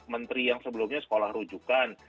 menteri yang sebelumnya sekolah rujukan